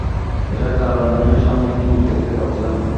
এটার কারনে সামনে কিছু দেখতে পাচ্ছিলাম না।